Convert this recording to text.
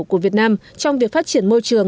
của việt nam trong việc phát triển môi trường